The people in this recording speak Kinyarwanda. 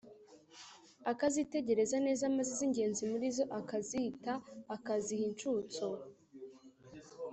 akazitegereza neza, maze iz’ingenzi muri zo akazita, akaziha inshutso.